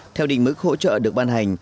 theo đỉnh mức hỗ trợ được ban hành